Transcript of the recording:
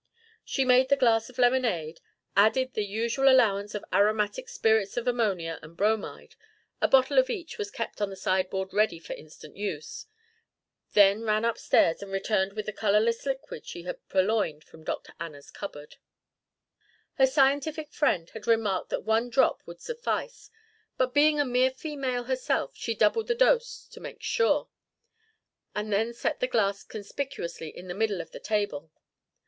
She made the glass of lemonade, added the usual allowance of aromatic spirits of ammonia and bromide a bottle of each was kept in the sideboard ready for instant use then ran upstairs and returned with the colourless liquid she had purloined from Dr. Anna's cupboard. Her scientific friend had remarked that one drop would suffice, but being a mere female herself she doubled the dose to make sure; and then set the glass conspicuously in the middle of the table.